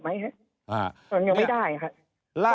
ยังไม่ได้ครับ